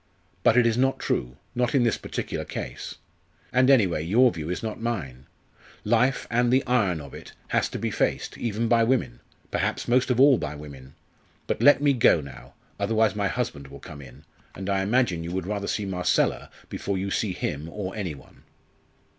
But it is not true not in this particular case. And anyway your view is not mine. Life and the iron of it has to be faced, even by women perhaps, most of all, by women. But let me go now. Otherwise my husband will come in. And I imagine you would rather see Marcella before you see him or any one."